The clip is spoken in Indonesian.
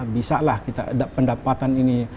bisa lah kita pendapatan ini